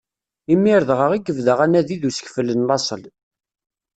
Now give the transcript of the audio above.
Imir dɣa i yebda anadi d usekfel n laṣel.